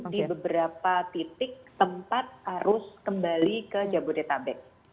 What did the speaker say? di beberapa titik tempat arus kembali ke jabodetabek